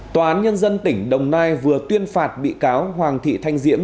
tòa án nhân dân tỉnh đồng nai vừa tuyên phạt bị cáo hoàng thị thanh diễm